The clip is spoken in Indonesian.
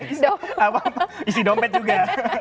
bisa isi dompet juga